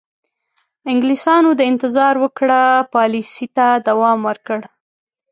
انګلیسیانو د انتظار وکړه پالیسۍ ته دوام ورکړ.